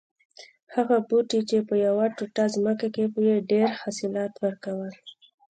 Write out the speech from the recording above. هغه بوټی چې په یوه ټوټه ځمکه کې یې ډېر حاصلات ور کول